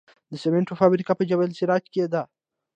د سمنټو فابریکه په جبل السراج کې ده